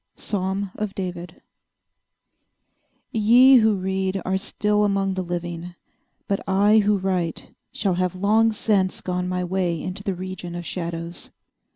_ —Psalm of David. Ye who read are still among the living; but I who write shall have long since gone my way into the region of shadows.